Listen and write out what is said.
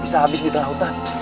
bisa habis di tengah hutan